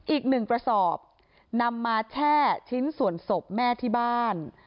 อีกหนึ่งกระสอบนำมาแช่ชิ้นส่วนศพแม่ที่บ้าน